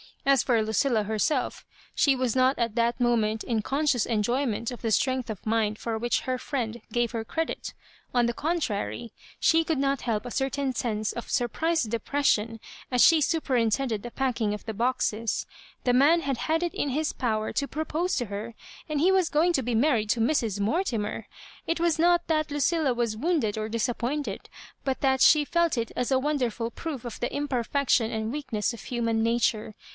As fi>r LucUla herself, she was not at that moment in cobseious enjoymrat of the strength of mind for which her friend gave her credit On the contrary, she could not help a certain sense of surprised depression as she superintended the paddng of the boxe& The man had had it in his power to propose to her, and he was going to be married to Mrs. Morti mer I It was not that Lucilia was wounded or disappointed, but that Bbe felt it as a wonderful proof of the imperfection and weakness of human nature.